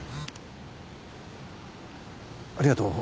ありがとう。